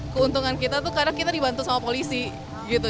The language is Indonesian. keuntungan kita itu karena kita dibantu sama polisi gitu